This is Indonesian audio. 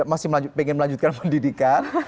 apakah ini bisa dipilih satu kali kepada pak sanit